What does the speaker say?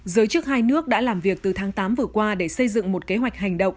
giới chức hai nước đã làm việc từ tháng tám vừa qua để xây dựng một kế hoạch hành động